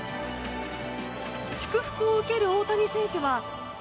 祝福を受ける大谷選手は。